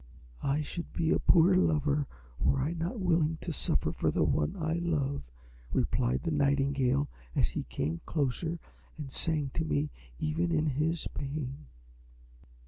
"'I should be a poor lover were I not willing to suffer for the one I love,' replied the nightingale as he came closer and sang to me even in his pain.